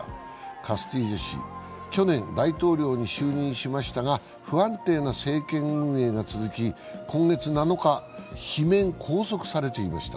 カスティジョ氏、去年、大統領に就任しましたが不安定な政権運営が続き今月７日、罷免・拘束されていました。